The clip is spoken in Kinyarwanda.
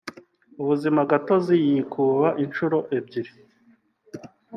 ubuzimagatozi yikuba inshuro ebyiri